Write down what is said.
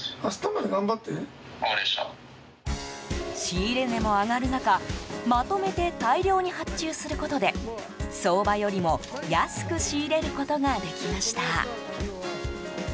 仕入れ値も上がる中まとめて大量に発注することで相場よりも安く仕入れることができました。